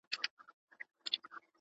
دروازې بې نقشه نه وي.